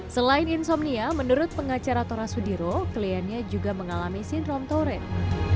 selain insomnia menurut pengacara tora sudiro kliennya juga mengalami sindrom toren